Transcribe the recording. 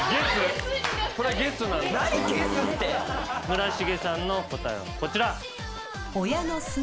村重さんの答えはこちら。